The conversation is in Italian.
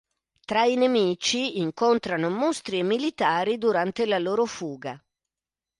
Tra i nemici, incontrano mostri e militari, durante la loro fuga.